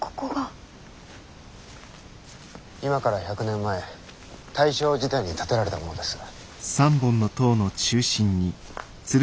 今から１００年前大正時代に建てられたものです。